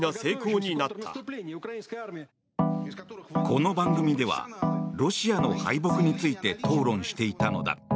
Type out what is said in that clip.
この番組ではロシアの敗北について討論していたのだ。